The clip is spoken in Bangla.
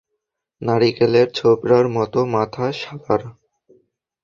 নারিকেলের ছোবড়ার মতো মাথা শালার!